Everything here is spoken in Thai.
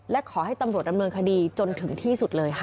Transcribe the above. และขอให้ตำรวจดำเนินคดีจนถึงที่สุดเลยค่ะ